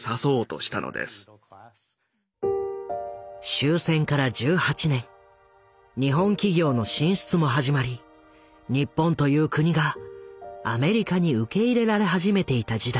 終戦から１８年日本企業の進出も始まり日本という国がアメリカに受け入れられ始めていた時代。